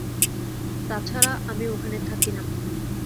তাছাড়া, আমি ওখানে থাকি না।